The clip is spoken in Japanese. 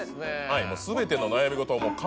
もう全ての悩み事を。